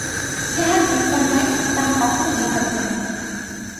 যাহার বিস্তার নাই, তাহা কখনও বিভাজ্য নয়।